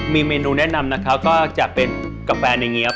มีเมนูแนะนำนะคะก็จะเป็นกาแฟในเงี้ยว